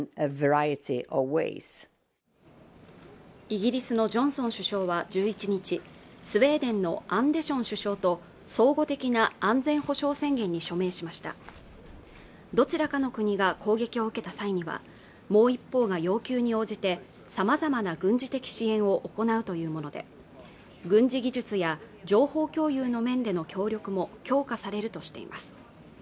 イギリスのジョンソン首相は１１日スウェーデンのアンデション首相と総合的な安全保障宣言に署名しましたどちらかの国が攻撃を受けた際にはもう一方が要求に応じてさまざまな軍事的支援を行うというもので軍事技術や情報共有の面での協力も強化されるとしています